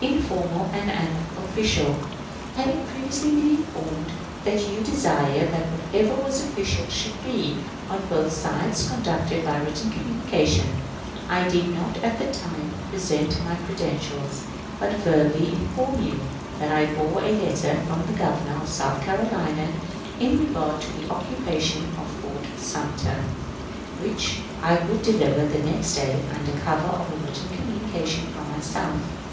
informal and unofficial. Having previously been informed that you desired that whatever was official should be, on both sides, conducted by written communications, I did not at that time present my credentials, but verbally informed you that I bore a letter from the Governor of South Carolina in regard to the occupation of Fort Sumter, which I would deliver the next day under cover of a written communication from myself.